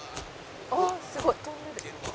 「すごい飛んでる」